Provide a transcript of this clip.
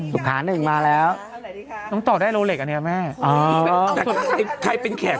สุขานึกมาแล้วอะไรดีคะต้องต่อได้อะแม่อ๋อถ้าใครเป็นแขก